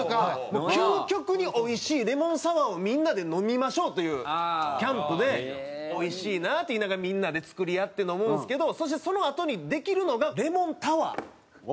もう究極に美味しいレモンサワーをみんなで飲みましょうというキャンプで「美味しいな」って言いながらみんなで作り合って飲むんですけどそしてそのあとにできるのがレモンタワー。